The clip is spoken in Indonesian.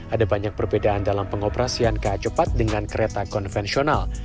ada banyak perbedaan dalam pengoperasian ka cepat dengan kereta konvensional